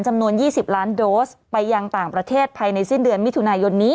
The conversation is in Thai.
จำนวน๒๐ล้านโดสไปยังต่างประเทศภายในสิ้นเดือนมิถุนายนนี้